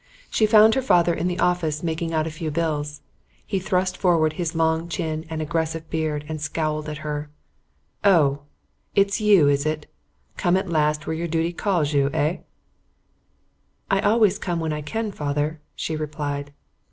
She found her father in the office making out a few bills. He thrust forward his long chin and aggressive beard and scowled at her. "Oh, it's you, is it? Come at last where your duty calls you, eh?" "I always come when I can, father," she replied.